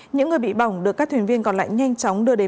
những người bị bỏng được các thuyền viên còn lại nhanh chóng đưa đến